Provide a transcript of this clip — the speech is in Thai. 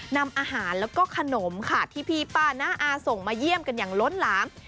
นำอาหารแล้วก็ขนมค่ะที่พี่ป้าน้าอาส่งมาเยี่ยมกันอย่างล้นหลาม